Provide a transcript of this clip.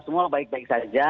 semua baik baik saja